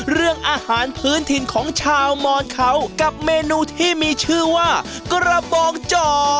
เรื่องอาหารพื้นถิ่นของชาวมอนเขากับเมนูที่มีชื่อว่ากระบองจ่อ